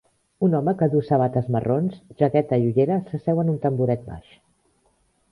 Un home que duu sabates marrons, jaqueta i ulleres s'asseu en un tamboret baix.